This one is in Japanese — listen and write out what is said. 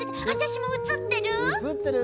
わしもうつってる？